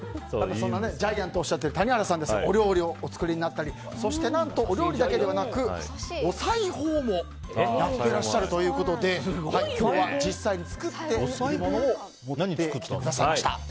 そんなジャイアンとおっしゃっている谷原さんですがお料理をお作りになったりそして何とお料理だけではなくお裁縫もやってらっしゃるということで今日は実際に作っているものを持ってきてくださいました。